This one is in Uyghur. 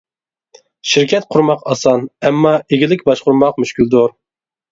شىركەت قۇرماق ئاسان ئەمما ئىگىلىك باشقۇرماق مۈشكۈلدۇر.